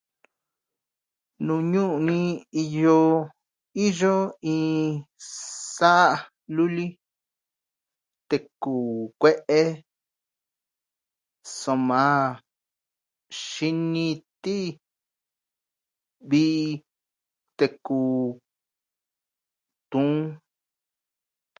Nuu ñuu ni iyo iin saa luli teku kue'e. Soma xini ti vi teku tuun.